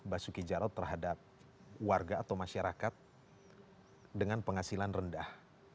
basuki jarod terhadap warga atau masyarakat dengan penghasilan rendah